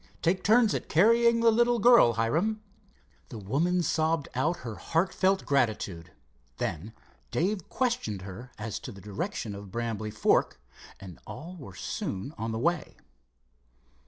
Take turns at carrying the little girl, Hiram." The woman sobbed out her heartfelt gratitude. Then Dave questioned her as to the direction of Brambly Fork, and all were soon on the way.